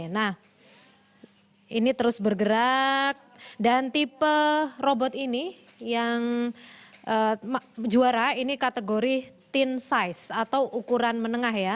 nah ini terus bergerak dan tipe robot ini yang juara ini kategori teen size atau ukuran menengah ya